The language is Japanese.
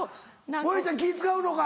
もえちゃん気ぃ使うのか。